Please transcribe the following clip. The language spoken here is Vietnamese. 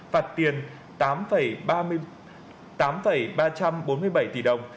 phạt tiền tám ba trăm bốn mươi bảy tỷ đồng